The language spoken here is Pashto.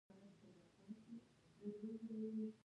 نوشاخ څوکه څومره لوړوالی لري؟